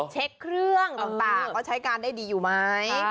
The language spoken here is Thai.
เช็คเครื่องต่างก็ใช้การได้ดีอยู่ไหม